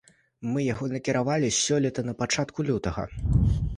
Мы яго накіравалі сёлета на пачатку лютага.